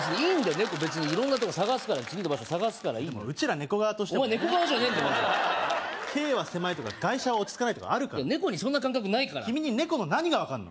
猫別に色んなとこ探すから次の場所探すからいいでもうちら猫側としてはお前猫側じゃねえんだまず軽は狭いとか外車は落ち着かないとかあるから猫にそんな感覚ないから君に猫の何が分かんの？